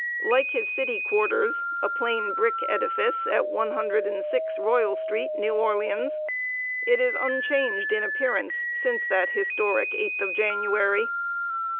Like his city quarters a plain brick edifice, at one hundred and six, Royal street, New Orleans it is unchanged in appearance since that historic Eighth of January.